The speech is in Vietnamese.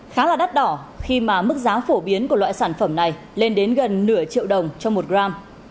khá là đắt đỏ khi mà mức giá phổ biến của loại sản phẩm này lên đến gần nửa triệu đồng trong một gram